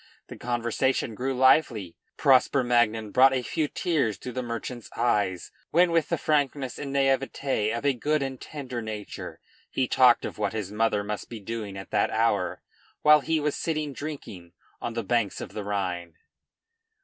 The conversation grew lively. Prosper Magnan brought a few tears to the merchant's eyes, when with the frankness and naivete of a good and tender nature, he talked of what his mother must be doing at that hour, while he was sitting drinking on the banks of the Rhine.